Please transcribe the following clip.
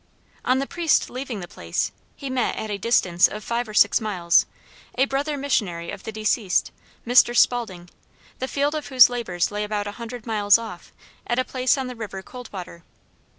On the priest leaving the place, he met, at a distance of five or six miles, a brother missionary of the deceased, Mr. Spaulding, the field of whose labors lay about a hundred miles off, at a place on the river Coldwater.